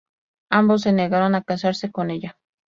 Ambos se negaron a casarse con ella.